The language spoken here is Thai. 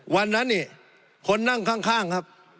วันนั้นเนี่ยคนนั่งข้างครับ